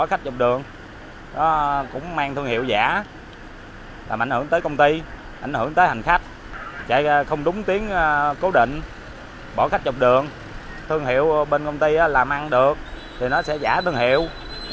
hẹn gặp lại các bạn trong những video tiếp theo